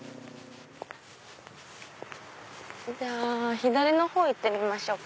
左のほう行ってみましょうか。